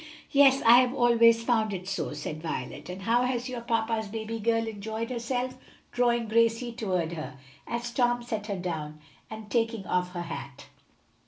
"Yes; I have always found it so," said Violet. "And how has your papa's baby girl enjoyed herself?" drawing Gracie toward her, as Tom set her down, and taking off her hat.